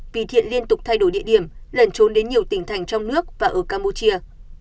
vì thiện liên tục thay đổi địa điểm lẩn trốn đến nhiều tỉnh thành trong nước và ở campuchia